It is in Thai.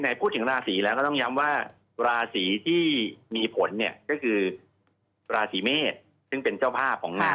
แล้วก็ราศีตุลนะครับสองราศีเนี้ยนะครับอืมเจ้าภาพล่ะ